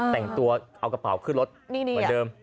แต่งตัวเอากระเป๋าขึ้นรถเหมือนเดิม